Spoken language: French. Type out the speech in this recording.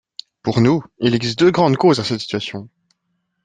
Pour nous, il existe deux grandes causes à cette situation.